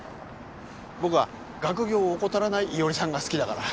僕は学業を怠らない伊織さんが好きだから。